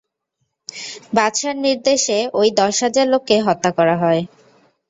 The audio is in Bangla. বাদশাহর নির্দেশে ঐ দশহাজার লোককে হত্যা করা হয়।